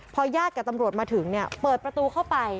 พอญาติกับตำรวจมาถึงเนี่ยเปิดประตูเข้าไป